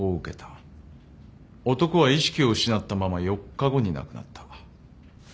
男は意識を失ったまま４日後に亡くなった。